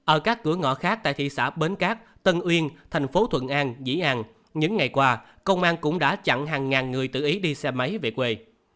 ở các cửa ngõ khác tại thị xã bến cát tân uyên thành phố thuận an dĩ an những ngày qua công an cũng đã chặn hàng ngàn người tự ý đi xe máy về quê